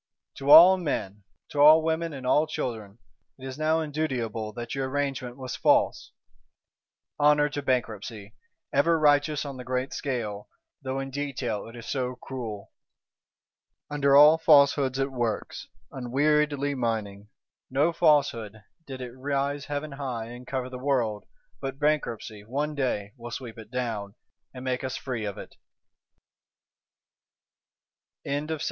To all men, to all women and all children, it is now indutiable that your Arrangement was false. Honour to Bankruptcy; ever righteous on the great scale, though in detail it is so cruel! Under all Falsehoods it works, unweariedly mining. No Falsehood, did it rise heaven high and cover the world, but Bankruptcy, one day, will sweep it down, and make us free of it. Chapter 1.3.